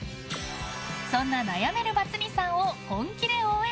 そんな悩めるバツ２さんを本気で応援。